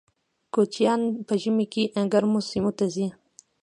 کوچیان په ژمي کې ګرمو سیمو ته ځي